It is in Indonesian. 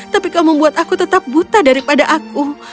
tapi kau membuat aku tetap buta daripada aku